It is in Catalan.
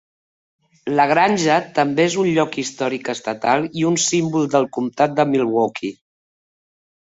La granja també és un lloc històric estatal i un símbol del comtat de Milwaukee.